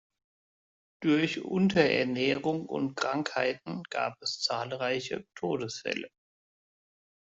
Durch Unterernährung und Krankheiten gab es zahlreiche Todesfälle.